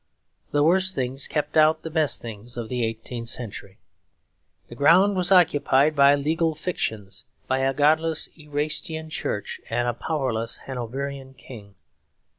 The worst things kept out the best things of the eighteenth century. The ground was occupied by legal fictions; by a godless Erastian church and a powerless Hanoverian king.